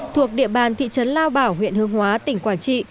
thuộc địa bàn thị trấn lao bảo huyện hương hóa tỉnh quảng trị